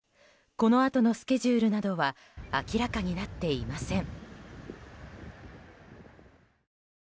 このあとのスケジュールなどは明らかになっていません。